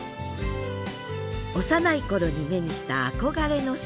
幼い頃に目にした憧れの世界。